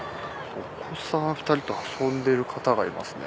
お子さん２人と遊んでる方がいますね。